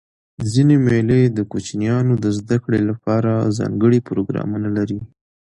ځيني مېلې د کوچنيانو د زدهکړي له پاره ځانګړي پروګرامونه لري.